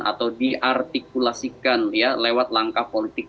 atau diartikulasikan ya lewat langkah politik